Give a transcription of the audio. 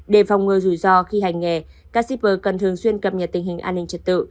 để phòng ngừa rủi ro khi hành nghề các shipper cần thường xuyên cập nhật tình hình an ninh trật tự